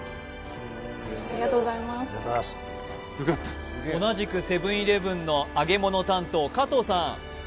結果的に同じくセブン−イレブンの揚げ物担当加藤さん